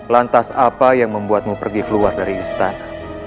lantas apa yang membuatmu pergi keluar dari istana